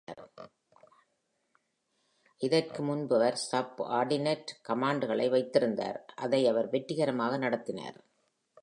இதற்கு முன்பு அவர் சப்-ஆர்டினேட் கமாண்டுகளை வைத்திருந்தார். அதை அவர் வெற்றிகரமாக நடத்தினார்.